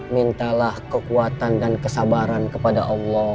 mintalah kekuatan dan kesabaran kepada allah